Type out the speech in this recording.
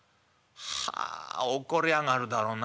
はあ怒りやがるだろう